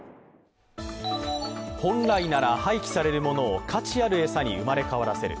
本来なら廃棄されるものを価値ある餌に生まれ変わらせる。